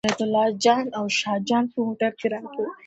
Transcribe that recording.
عبیدالله جان او شاه جان په موټر کې راغلل.